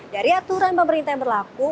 dari aturan pemerintah yang berlaku